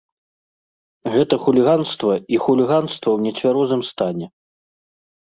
Гэта хуліганства і хуліганства ў нецвярозым стане.